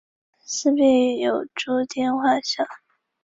车站名称来自于泰晤士河的支流史丹佛溪。